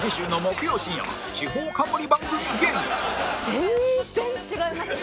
全然違います。